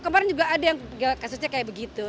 kemarin juga kasusnya kayak begitu